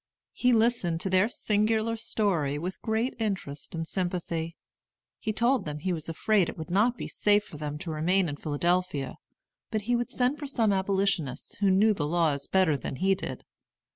He listened to their singular story with great interest and sympathy. He told them he was afraid it would not be safe for them to remain in Philadelphia, but he would send for some Abolitionists who knew the laws better than he did.